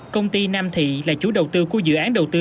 công ty nam thị là chủ đầu tư của dự án đầu tư